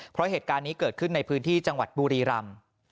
เพราะเหตุการณ์นี้เกิดขึ้นในพื้นที่จังหวัดบุรีรำ